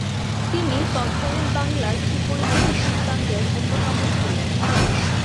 তিনি তৎকালীন বাংলার সুপরিচিত সুলতানদের অন্যতম ছিলেন।